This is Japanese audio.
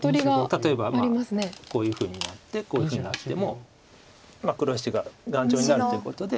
例えばこういうふうになってこういうふうになっても黒石が頑丈になるということで。